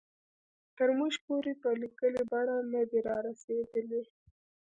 تر موږ پورې په لیکلې بڼه نه دي را رسېدلي.